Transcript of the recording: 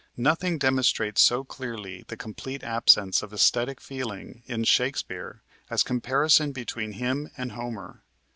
Nothing demonstrates so clearly the complete absence of esthetic feeling in Shakespeare as comparison between him and Homer.